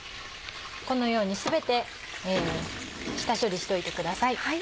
このように全て下処理しといてください。